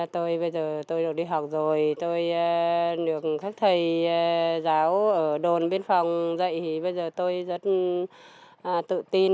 tôi bây giờ tôi được đi học rồi tôi được các thầy giáo ở đồn biên phòng dạy thì bây giờ tôi rất tự tin